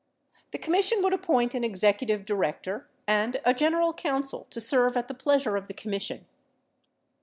The Commission would appoint an executive director and a general counsel to serve at the pleasure of the Commission.